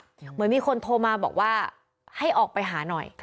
เหมือนมีคนโทรมาบอกว่าให้ออกไปหาหน่อย